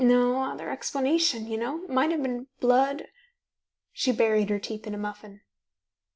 No other explanation, you know Might have been blood " She buried her teeth in a muffin.